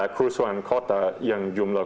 kerusuhan kota yang jumlahnya